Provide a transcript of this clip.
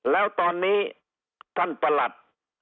แล้วตอนนี้ท่านประหลัด